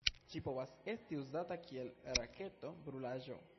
Ĝi povas esti uzata kiel raketo-brulaĵo.